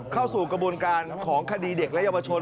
เข้าสู่กระบวนการของคดีเด็กและเยาวชน